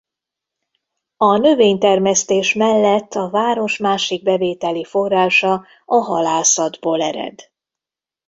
A növénytermesztés mellett a város másik bevételi forrása a halászatból ered.